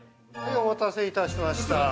お待たせいたしました。